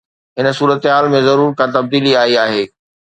هن صورتحال ۾ ضرور ڪا تبديلي آئي آهي.